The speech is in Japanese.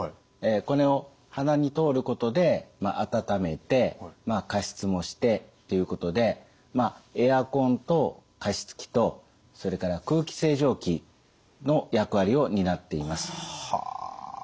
これを鼻に通ることで温めて加湿もしてということでエアコンと加湿器とそれから空気清浄機の役割を担っています。